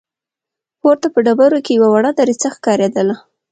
پورته په ډبرو کې يوه وړه دريڅه ښکارېدله.